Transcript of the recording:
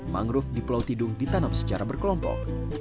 mangrove di pulau tidung ditanam secara berkelompok